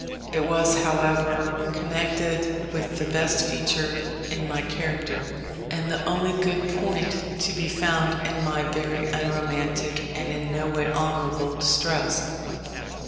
It was, however, connected with the best feature in my character, and the only good point to be found in my very unromantic and in no way honourable distress.